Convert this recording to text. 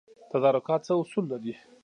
تدارکات څه اصول لري؟